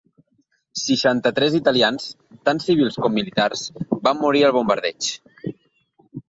Seixanta-tres italians, tant civils com militars, van morir al bombardeig.